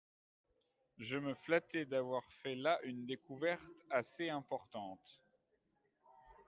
Je me flattais d’avoir fait là une découverte assez importante.